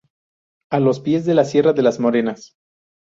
A los pies de la Sierra de las Moreras.